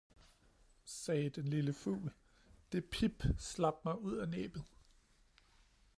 sagde den lille fugl, det pip slap mig ud af næbbet!